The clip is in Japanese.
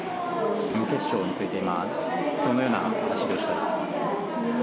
準決勝について今、どのような走りをしたいですか？